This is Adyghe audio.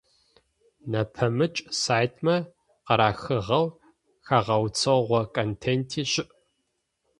Нэпэмыкӏ сайтмэ къарыхыгъэу хэгъэуцогъэ контенти щыӏ.